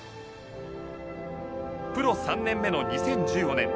プロ３年目の２０１５年。